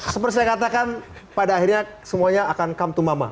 seperti saya katakan pada akhirnya semuanya akan come to mama